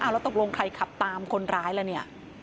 แล้วตกลงใครขับตามคนร้ายแล้วเนี่ย